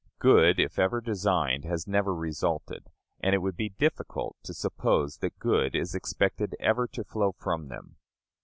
Good, if ever designed, has never resulted, and it would be difficult to suppose that good is expected ever to flow from them.